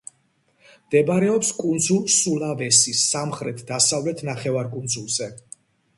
მდებარეობს კუნძულ სულავესის სამხრეთ–დასავლეთ ნახევარკუნძულზე.